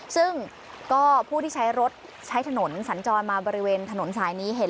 ซึ่งก็ผู้ที่ใช้รถใช้ถนนสัญจรมาบริเวณถนนสายนี้เห็น